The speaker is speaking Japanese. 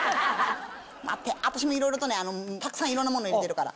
待って私もいろいろとたくさんいろんなもの入れてるから。